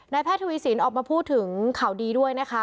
นายแพทย์ทุยศิลป์ออกมาพูดถึงข่าวดีด้วยนะคะ